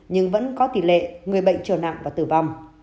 nhưng vẫn có tỷ lệ người bệnh trở nặng và tử vong